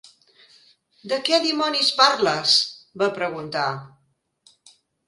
"De què dimonis parles?" va preguntar.